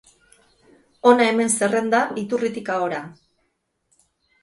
Hona hemen zerrenda iturritik ahora.